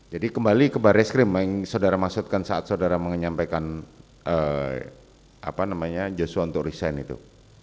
jadi kembali ke barreskrim yang saudara maksudkan saat saudara menyampaikan joshua untuk resign itu